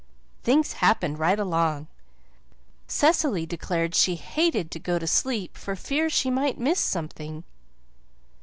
Things happened right along. Cecily declared she hated to go to sleep for fear she might miss something.